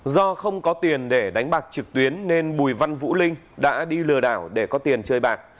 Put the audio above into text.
do không có tiền để đánh bạc trực tuyến nên bùi văn vũ linh đã đi lừa đảo để có tiền chơi bạc